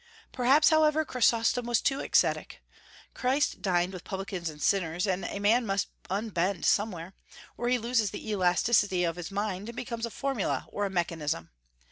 Perhaps, however, Chrysostom was too ascetic. Christ dined with publicans and sinners; and a man must unbend somewhere, or he loses the elasticity of his mind, and becomes a formula or a mechanism.